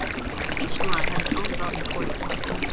Each line has its own development corridor.